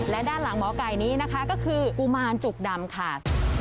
และด้านหลังหมอไก่นี้นะคะก็คือกุมารจุกดำค่ะ